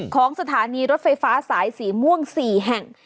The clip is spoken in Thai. ของสถานีรถไฟฟ้าสายสีม่วง๔แห่ง